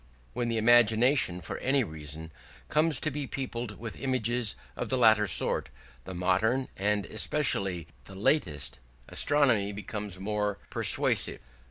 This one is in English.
When the imagination, for any reason, comes to be peopled with images of the latter sort, the modern, and especially the latest, astronomy becomes more persuasive.